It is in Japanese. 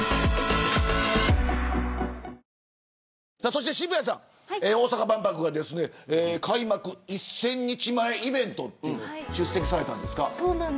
そして渋谷さん、大阪万博が開幕１０００日前イベント出席されたんですか。